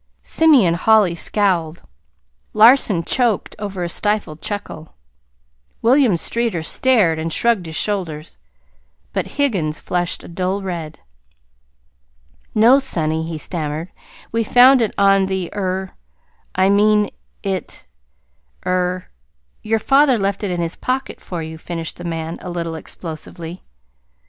Simeon Holly scowled. Larson choked over a stifled chuckle. William Streeter stared and shrugged his shoulders; but Higgins flushed a dull red. "No, sonny," he stammered. "We found it on the er I mean, it er your father left it in his pocket for you," finished the man, a little explosively.